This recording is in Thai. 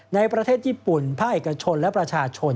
ในประเทศญี่ปุ่นภาคเอกชนและประชาชน